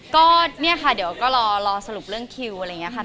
ก็เนี่ยค่ะเดี๋ยวก็รอสรุปเรื่องคิวอะไรอย่างนี้ค่ะ